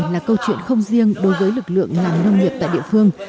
là câu chuyện không riêng đối với lực lượng làm nông nghiệp tại địa phương